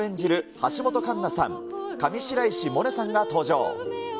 橋本環奈さん、上白石萌音さんが登場。